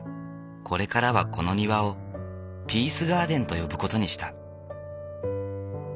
これからはこの庭をピースガーデンと呼ぶ事にした。